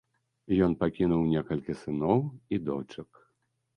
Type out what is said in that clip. Ён пакінуў некалькі сыноў і дочак.